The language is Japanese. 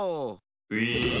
ウィーン。